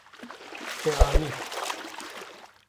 Te anî.